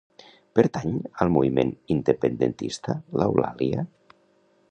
Pertany al moviment independentista l'Eulàlia?